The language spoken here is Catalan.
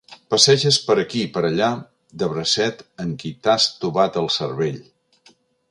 Passeges per aquí per allà de bracet amb qui t'ha estovat el cervell.